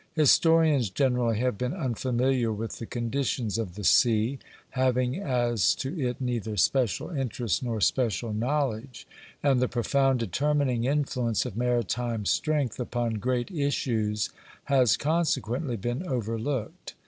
Historians generally have been unfamiliar with the conditions of the sea, having as to it neither special interest nor special knowledge; and the profound determining influence of maritime strength upon great issues has consequently been overlooked.